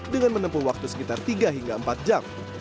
dengan menempuh waktu sekitar tiga hingga empat jam